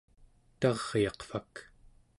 taryaqvak